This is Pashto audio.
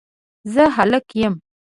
زه هلک یم